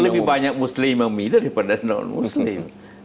lebih banyak muslim memilih daripada non muslim